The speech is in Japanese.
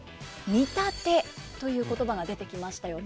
「見立て」という言葉が出てきましたよね。